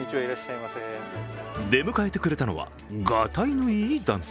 出迎えてくれたのは、がたいのいい男性。